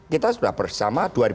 kita sudah bersama